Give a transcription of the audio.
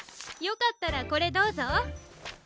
よかったらこれどうぞ。